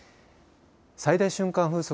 最大瞬間風速